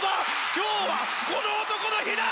今日は、この男の日だ！